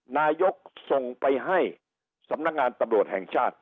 นายกส่งไปให้สำนักงานตำรวจแห่งชาติ